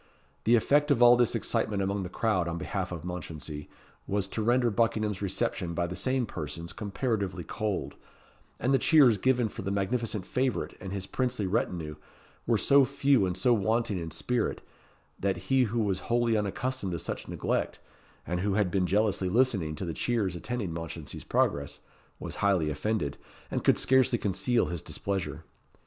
The effect of all this excitement among the crowd on behalf of Mounchensey was to render Buckingham's reception by the same persons comparatively cold; and the cheers given for the magnificent favourite and his princely retinue were so few and so wanting in spirit, that he who was wholly unaccustomed to such neglect, and who had been jealously listening to the cheers attending Mounchensey's progress, was highly offended, and could scarcely conceal his displeasure.